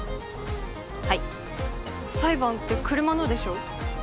はい裁判って車のでしょ？